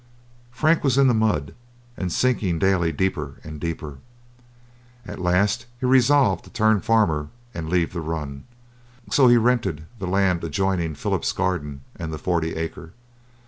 Frank was in the mud, and sinking daily deeper and deeper. At last he resolved to turn farmer and leave the run, so he rented the land adjoining Philip's garden and the forty acre.